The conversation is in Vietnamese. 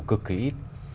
cực kỳ ít